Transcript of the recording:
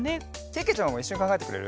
けけちゃまもいっしょにかんがえてくれる？